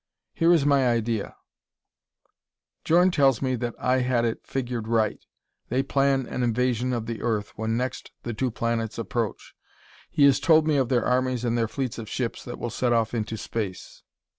Here is my idea: "Djorn tells me that I had it figured right: they plan an invasion of the earth when next the two planets approach. He has told me of their armies and their fleets of ships that will set off into space.